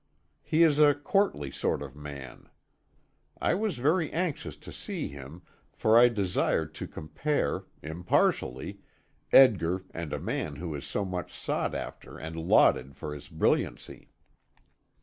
He is a courtly sort of man. I was very anxious to see him, for I desired to compare impartially Edgar and a man who is so much sought after and lauded for his brilliancy.